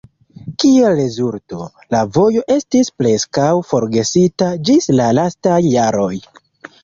Kiel rezulto, la vojo estis preskaŭ forgesita ĝis la lastaj jaroj.